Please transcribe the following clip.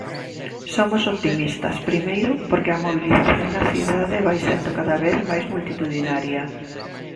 Somos optimistas, primeiro, porque a mobilización na cidade vai sendo cada vez máis multitudinaria.